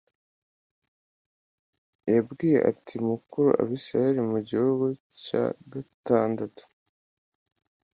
yabwiye ati mukure abisirayeli mu gihugu cya gatandatu